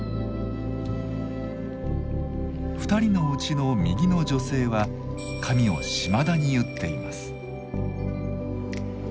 ２人のうちの右の女性は髪を島田に結っています。